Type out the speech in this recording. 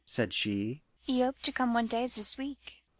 said she. "He hoped to come one day this week."